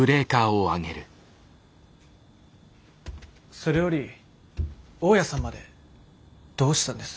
それより大家さんまでどうしたんです？